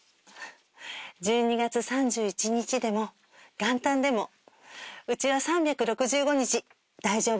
１２月３１日でも元旦でもうちは３６５日大丈夫ですよ。